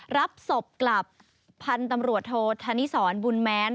รับศพกลับพันธุ์ตำรวจโทษธนิสรบุญแม้น